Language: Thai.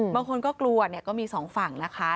บางคนก็กลัวก็มีสองฝั่งนะคะ